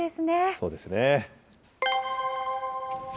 そうですね。